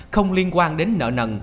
không liên quan đến nợ nần